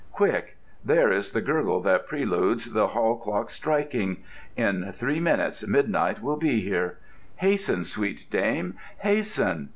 Quick! There is the gurgle that preludes the hall clock's striking. In three minutes midnight will be here. Hasten, sweet dame, hasten!